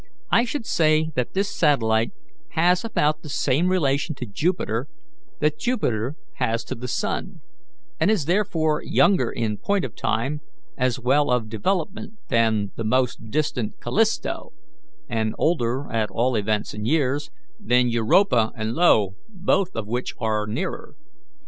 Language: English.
I should say that this satellite has about the same relation to Jupiter that Jupiter has to the sun, and is therefore younger in point of time as well as of development than the most distant Callisto, and older, at all events in years, than Europa and Io, both of which are nearer.